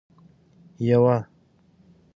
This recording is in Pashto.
یوه